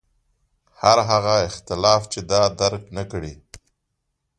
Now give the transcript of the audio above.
هر هغه اختلاف چې دا درک نکړي.